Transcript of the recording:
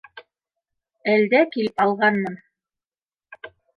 Әлдә килеп алғанмын